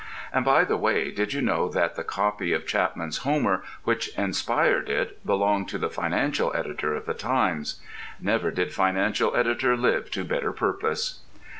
And by the way, did you know that the copy of Chapman's Homer which inspired it belonged to the financial editor of the Times? Never did financial editor live to better purpose!